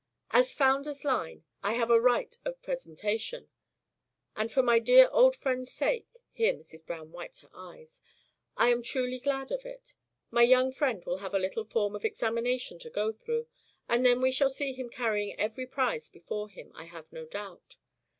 "As founder's line, I have a right of presentation; and for my dear old friend's sake" (here Mrs. Browne wiped her eyes), "I am truly glad of it; my young friend will have a little form of examination to go through; and then we shall see him carrying every prize before him, I have no doubt.